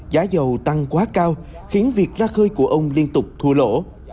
giá dầu tăng quá cao khiến việc ra khơi của ông liên tục thua lỗ